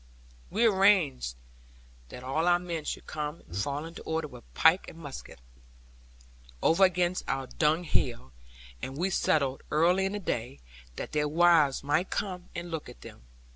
We arranged that all our men should come and fall into order with pike and musket, over against our dung hill, and we settled early in the day, that their wives might come and look at them.